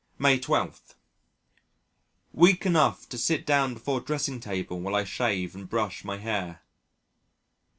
May 12. Weak enough to sit down before dressing table while I shave and brush my hair.